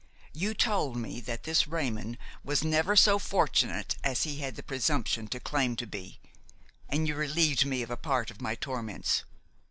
You told me that this Raymon was never so fortunate as he had the presumption to claim to be, and you relieved me of a part of my torments.